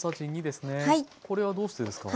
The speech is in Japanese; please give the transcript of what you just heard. これはどうしてですか？